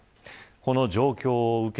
この状況を受け